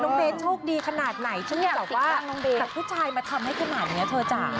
น้องเบ๊ตโชคดีขนาดไหนเช่นกับผู้ชายมาทำให้ขนาดนี้เถอะจ้ะ